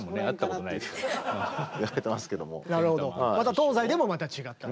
東西でもまた違ったり。